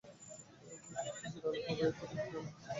এই অকসমাৎ হাসির আলোকে উভয়ের ভিতরকার কুয়াশা যেন অনেকখানি কাটিয়া গেল।